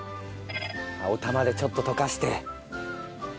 お玉でちょっと溶かして。